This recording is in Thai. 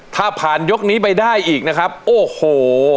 ถ้าผ่านยกนี้ไปได้อีกนะครับโอ้โห